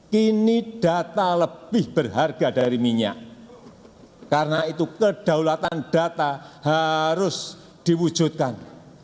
kini data lebih berharga dari minyak karena itu kedaulatan data harus diwujudkan